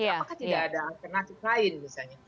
apakah tidak ada alternatif lain misalnya